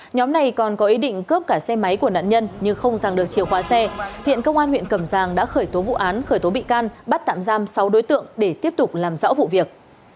nhóm này còn có ý định cướp cả xe máy của nạn nhân nhưng không rằng được chìa khóa xe hiện công an huyện cầm giang đã khởi tố vụ án khởi tố bị can bắt tạm giam sáu đối tượng để tiếp tục làm rõ vụ việc